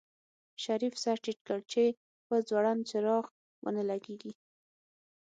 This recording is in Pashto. شريف سر ټيټ کړ چې په ځوړند څراغ ونه لګېږي.